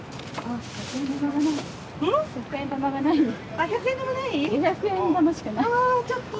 あ１００円玉ない？